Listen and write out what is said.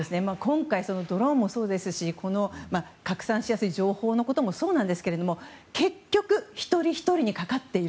ドローンもそうですし拡散しやすい情報もそうですが結局一人ひとりにかかっている。